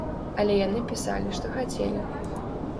Але яны пісалі, што хацелі.